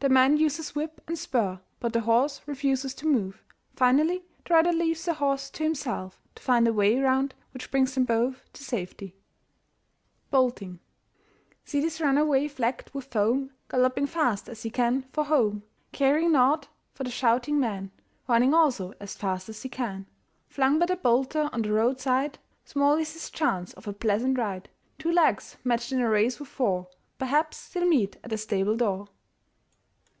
The man uses whip and spur, but the horse refuses to move. Finally the rider leaves the horse to himself to find a way round which brings them both to safety. BOLTING. See this runaway flecked with foam Galloping fast as he can for home, Caring nought for the shouting man Running also as fast as he can. Flung by the bolter on the roadside Small is his chance of a pleasant ride. Two legs matched in a race with four Perhaps they'll meet at the stable door.